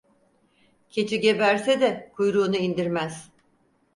Keçi geberse de kuyruğunu indirmez.